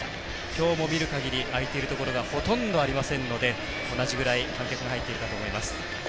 きょうも見るかぎり空いているところがほとんどありませんので同じぐらい観客が入っているかと思います。